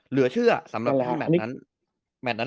เหลือเชื่อสำหรับแมทนั้น